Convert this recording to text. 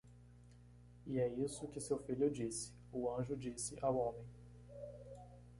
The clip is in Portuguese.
"E é isso que seu filho disse," o anjo disse ao homem.